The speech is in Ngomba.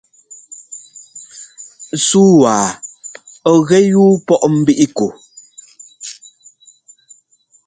Súu waa ɔ̂ gɛ yúu pɔʼ mbíʼ ku?